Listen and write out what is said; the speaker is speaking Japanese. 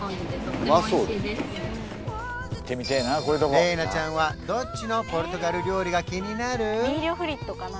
玲奈ちゃんはどっちのポルトガル料理が気になる？